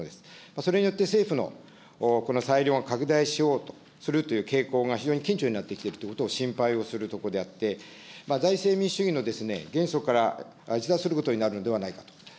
それによって政府のこのさいりょうの拡大をしようとする傾向が非常に顕著になってきているということを心配をするところであって、財政民主主義の原則から逸脱することになるのではないかと。